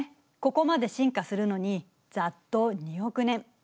ここまで進化するのにざっと２億年。